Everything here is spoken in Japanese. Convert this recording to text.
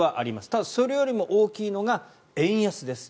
ただそれよりも大きいのが円安です。